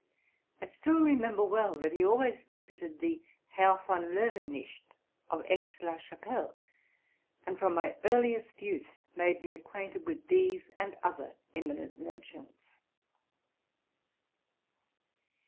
I still remember well that he always visited the Herrn von Lowenicht, of Aix la Cha pelle, and from my earliest youth made me acquainted with these and other eminent merchants.